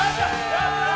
やったー！